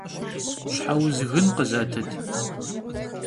Şheuz gın khızetıt!